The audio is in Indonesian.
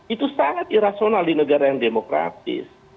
itu sangat irasional di negara yang demokratis